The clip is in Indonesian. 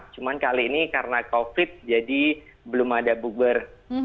cuma kali ini karena covid jadi belum ada bukber